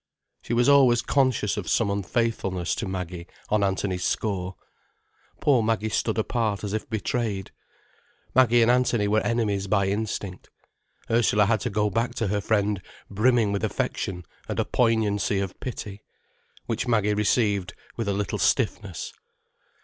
She was always conscious of some unfaithfulness to Maggie, on Anthony's score. Poor Maggie stood apart as if betrayed. Maggie and Anthony were enemies by instinct. Ursula had to go back to her friend brimming with affection and a poignancy of pity. Which Maggie received with a little stiffness.